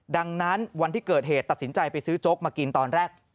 ดังนั้นวันที่เกิดเหตุตัดสินใจไปซื้อโจ๊กมากินตอนแรก